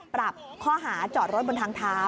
ปรับข้อหาจอดรถบนทางเท้า